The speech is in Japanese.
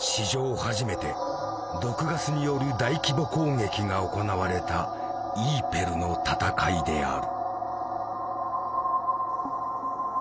初めて毒ガスによる大規模攻撃が行われた「イーペルの戦い」である。